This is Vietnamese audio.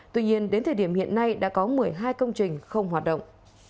tuy nhiên đến thời điểm hiện nay đã có một mươi hai công trình không hoạt động